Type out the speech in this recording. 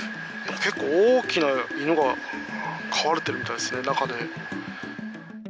結構大きな犬が飼われてるみたいですね、中で。